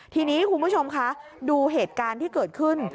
ทีนี้คุณผู้ชมคะดูเหตุการณ์ที่เกิดขึ้น